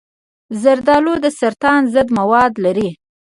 زردآلو د سرطان ضد مواد لري.